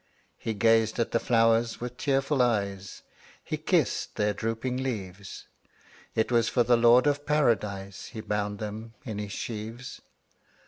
'' He gazed at the flowers with tearful eyes, He kissed their drooping leaves; It was for the Lord of Paradise He bound them in his sheaves.